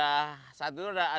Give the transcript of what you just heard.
diperoleh oleh clc purbalingga